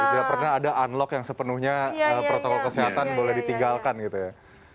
tidak pernah ada unlock yang sepenuhnya protokol kesehatan boleh ditinggalkan gitu ya